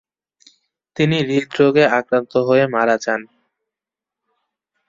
তিনি হৃদরোগে আক্রান্ত হয়ে মারা যান।